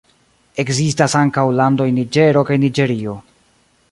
Ekzistas ankaŭ landoj Niĝero kaj Niĝerio.